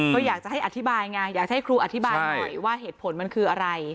ก็อยากจะให้อธิบายไงอยากให้ครูอธิบายหน่อยว่าเหตุผลมันคืออะไร